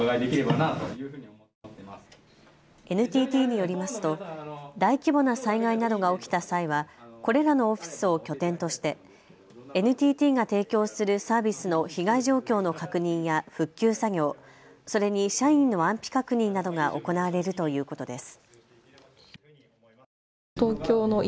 ＮＴＴによりますと大規模な災害などが起きた際はこれらのオフィスを拠点としてＮＴＴが提供するサービスの被害状況の確認や復旧作業、それに社員の安否確認などが行われるということです。